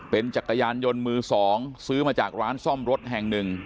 เป็นจักรยานยนต์มือสองซื้อมาจากร้านซ่อมรถแห่งหนึ่ง